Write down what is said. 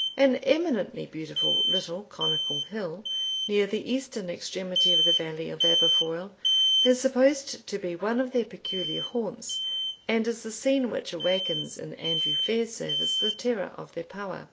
An eminently beautiful little conical hill, near the eastern extremity of the valley of Aberfoil, is supposed to be one of their peculiar haunts, and is the scene which awakens, in Andrew Fairservice, the terror of their power.